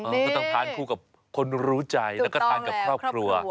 ก็ต้องทานคู่กับคนรู้ใจแล้วก็ทานกับครอบครัว